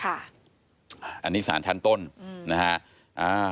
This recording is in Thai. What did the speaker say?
อันนี้สารชั้นต้นนะฮะ